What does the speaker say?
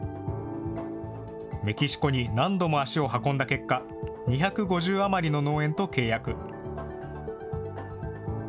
メキシコに何度も足を運んだ結果、２５０余りの農園と契約。